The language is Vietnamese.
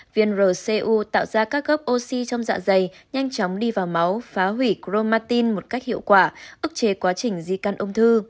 viên rcu tạo ra các gốc oxy trong dạ dày nhanh chóng đi vào máu phá hủy cromatin một cách hiệu quả ức chế quá trình di căn ung thư